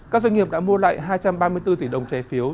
các doanh nghiệp đã mua lại hai trăm ba mươi bốn tỷ đồng trái phiếu